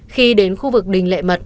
khi đến khu vực đình lệ mật